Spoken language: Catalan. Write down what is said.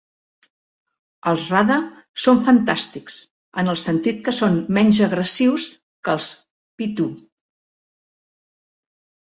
Els Rada són "fantàstics" en el sentit que són menys agressius que els Petwo.